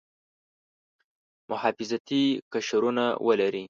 محافظتي قشرونه ولري.